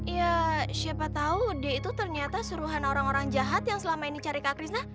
ya siapa tahu d itu ternyata suruhan orang orang jahat yang selama ini cari kak krisna